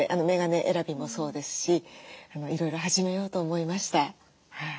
メガネ選びもそうですしいろいろ始めようと思いました。